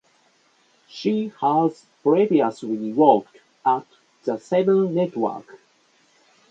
She has previously worked at the Seven Network.